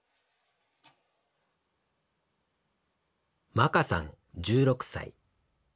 まかさん１６歳。